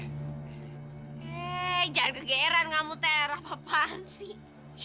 eh jangan kegeran ngamu ter apaan sih